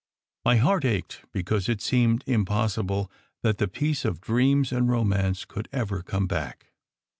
My heart ached, because it seemed im possible that the peace of dreams and romance could ever come back.